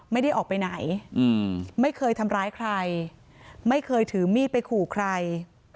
ไม่ได้ออกไปไหนไม่เคยทำร้ายใครไม่เคยถือมีดไปขู่ใคร